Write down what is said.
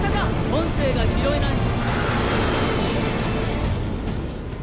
音声が拾えない。